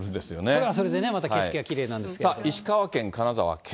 それはそれでね、また景色はきれいなんですけれども。